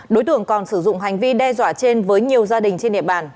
đối tượng còn sử dụng hành vi đe dọa trên với nhiều gia đình trên địa bàn